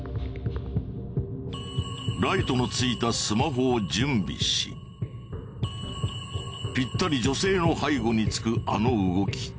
ライトのついたスマホを準備しピッタリ女性の背後につくあの動き。